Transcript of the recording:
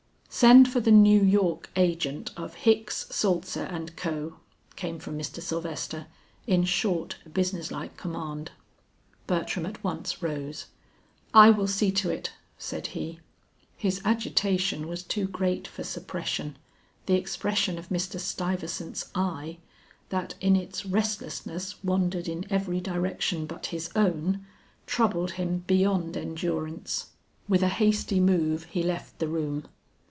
"Send for the New York agent of Hicks, Saltzer and Co.," came from Mr. Sylvester, in short, business like command. Bertram at once rose. "I will see to it," said he. His agitation was too great for suppression, the expression of Mr. Stuyvesant's eye, that in its restlessness wandered in every direction but his own, troubled him beyond endurance. With a hasty move he left the room.